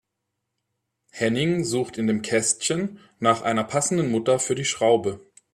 Henning sucht in dem Kästchen nach einer passenden Mutter für die Schraube.